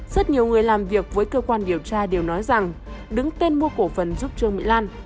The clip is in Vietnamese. rất nhiều người làm việc với cơ quan điều tra đều nói rằng đứng tên mua cổ phần giúp trương mỹ lan